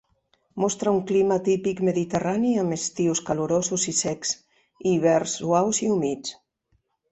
Mostra un clima típic mediterrani amb estius calorosos i secs, i hiverns suaus i humits.